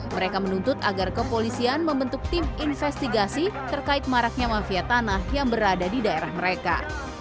mereka menuntut agar kepolisian membentuk tim investigasi terkait maraknya mafia tanah yang berada di daerah mereka